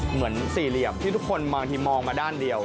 เหมือนสี่เหลี่ยมที่ทุกคนบางทีมองมาด้านเดียว